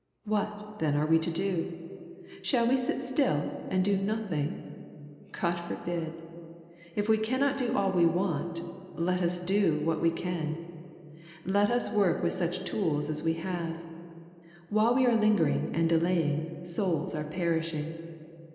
What, then, are we to do ? Shall we sit still and do nothing ? Grod forbid 1 If we cannot do all we want, let us do what we can. Let us work with such tools as we have. While we are lingering and delaying souls are perishing.